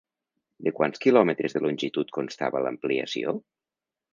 De quants quilòmetres de longitud constava l'ampliació?